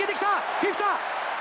フィフィタ！